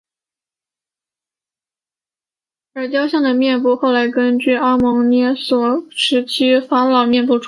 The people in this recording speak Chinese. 而雕像的面部后来根据阿蒙涅姆赫特二世这位中王国时期法老的面部重新雕琢了一遍。